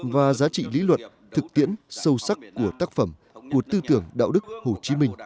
và giá trị lý luận thực tiễn sâu sắc của tác phẩm của tư tưởng đạo đức hồ chí minh